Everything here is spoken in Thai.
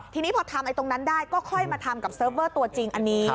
ทีนี้พอทำไอ้ตรงนั้นได้ก็ค่อยมาทำกับเซิร์ฟเวอร์ตัวจริงอันนี้